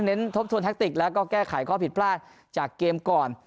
ทบทวนแท็กติกแล้วก็แก้ไขข้อผิดพลาดจากเกมก่อน